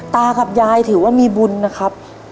ตากับยายถือว่ามีบุญนะครับ